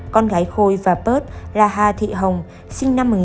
con gái khôi và pớt là hà thị hồng sinh năm một nghìn chín trăm chín mươi sáu